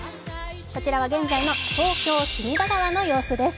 こちらは現在の東京・隅田川の様子です。